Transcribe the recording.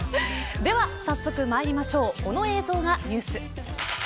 では早速まいりましょうこの映像がニュース。